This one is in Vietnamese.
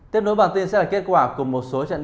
tiếp nối bản tin sẽ là kết quả của một số hành trình